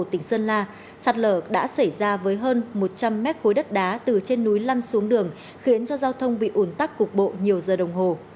tỉnh sơn la sạt lở đã xảy ra với hơn một trăm linh mét khối đất đá từ trên núi lăn xuống đường khiến cho giao thông bị ủn tắc cục bộ nhiều giờ đồng hồ